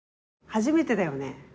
初めてだよね？